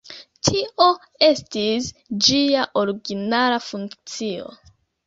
Tio estis ĝia originala funkcio.